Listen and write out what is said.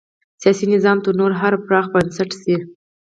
سیاسي نظام نور هم پراخ بنسټه شي.